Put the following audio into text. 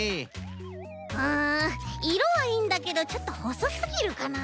うんいろはいいんだけどちょっとほそすぎるかなあ。